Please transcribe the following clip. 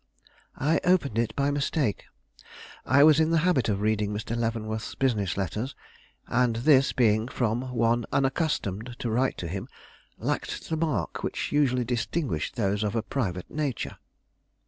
"I opened it by mistake. I was in the habit of reading Mr. Leavenworth's business letters, and this, being from one unaccustomed to write to him, lacked the mark which usually distinguished those of a private nature."